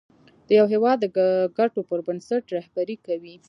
د یو هېواد د ګټو پر بنسټ رهبري کوي.